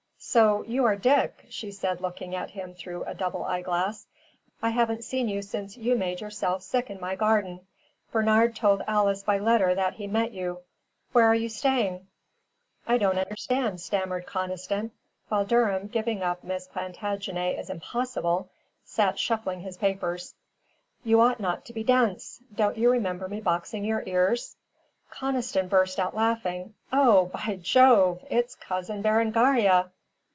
"So you are Dick," she said looking at him through a double eyeglass. "I haven't seen you since you made yourself sick in my garden. Bernard told Alice by letter that he met you. Where are you staying?" "I don't understand," stammered Conniston, while Durham, giving up Miss Plantagenet as impossible, sat shuffling his papers. "You ought not to be dense. Don't you remember me boxing your ears?" Conniston burst out laughing. "Oh! by Jove! It's Cousin Berengaria."